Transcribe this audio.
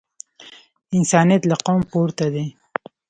انسانیت له قوم پورته دی.